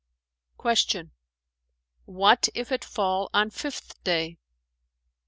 Q "What if it fall on Fifth Day?"